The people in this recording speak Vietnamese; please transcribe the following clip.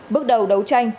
bước đầu đấu tranh